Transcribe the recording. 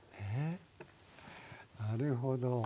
なるほど。